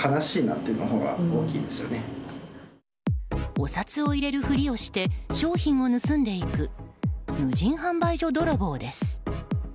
お札を入れるふりをして商品を盗んでいく無人販売所泥棒です。